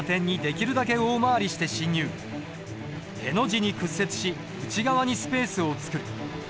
字に屈折し内側にスペースを作る。